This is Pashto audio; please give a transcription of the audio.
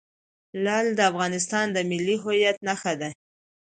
لعل د افغانستان د ملي هویت نښه ده.